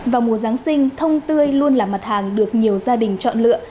vào mùa giáng sinh thông tươi luôn là mặt hàng được nhiều gia đình chọn lựa